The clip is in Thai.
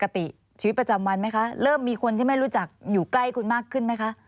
ชีวิตประจำวันไหมคะเริ่มมีคนที่ไม่รู้จักอยู่ใกล้คุณมากขึ้นไหมคะ